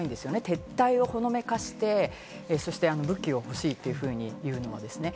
撤退をほのめかして、そして武器を欲しいっていうふうに言うのは。